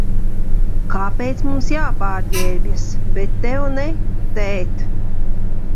Kāpēc mums jāpārģērbjas, bet tev ne, tēt?